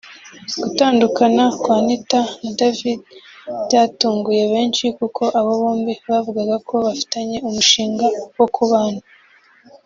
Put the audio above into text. Gutandukana kwa Anita na David byatunguye benshi kuko aba bombi bavugaga ko bafitanye umushinga wo kubana